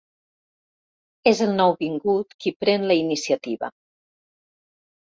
És el nouvingut qui pren la iniciativa.